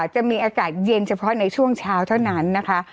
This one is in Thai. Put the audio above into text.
จะมีอากาศเย็นเฉพาะในช่วงเช้าเท่านั้นนะคะ